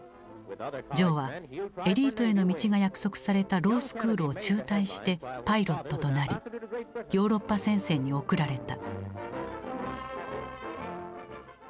ジョーはエリートへの道が約束されたロースクールを中退してパイロットとなりヨーロッパ戦線に送られた。